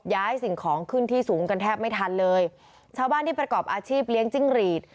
สิ่งของขึ้นที่สูงกันแทบไม่ทันเลยชาวบ้านที่ประกอบอาชีพเลี้ยงจิ้งหรีด